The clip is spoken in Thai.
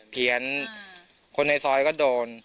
เพี้ยนคนในซอยก็โดน